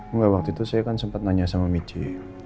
enggak waktu itu saya kan sempat nanya sama miji